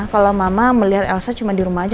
kalau mama melihat elsa cuma di rumah aja